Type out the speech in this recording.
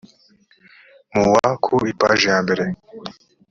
mu wa ku ipaji ya mbere